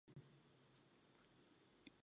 该党曾参加联合六月运动。